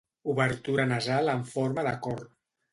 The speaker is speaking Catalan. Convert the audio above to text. Obertura nasal en forma de cor.